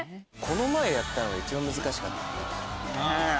この前やったのが一番難しかったよね。